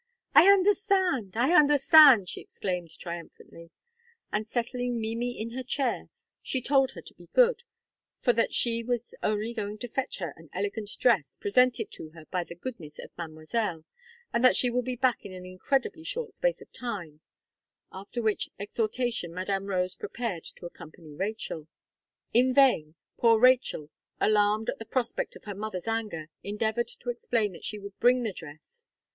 "I understand I understand!" she exclaimed, triumphantly; and settling Mimi in her chair, she told her to be good, for that she was only going to fetch her an elegant dress presented to her by the goodness of Mademoiselle, and that she would be back in an incredibly short space of time; after which exhortation, Madame Rose prepared to accompany Rachel. In vain, poor Rachel, alarmed at the prospect of her mother's anger, endeavoured to explain that she would bring the dress.